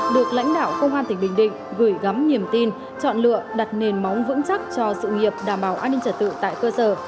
được lãnh đạo công an tỉnh bình định gửi gắm niềm tin chọn lựa đặt nền móng vững chắc cho sự nghiệp đảm bảo an ninh trật tự tại cơ sở